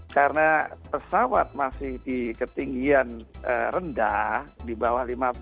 karena pesawat masih di ketinggian rendah di bawah lima belas itu